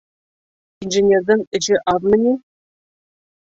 Инженерҙың эше аҙмы ни?